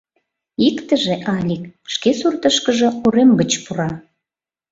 Иктыже, Алик, шке суртышкыжо урем гыч пура.